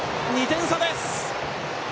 ２点差です！